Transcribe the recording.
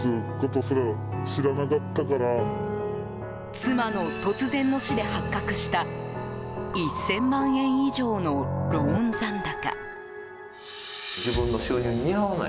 妻の突然の死で発覚した１０００万円以上のローン残高。